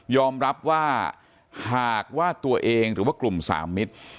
ยอมรับหากว่าตัวเองหรือกลุ่มสามมิตร